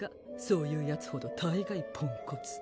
そういうヤツほど大概ポンコツ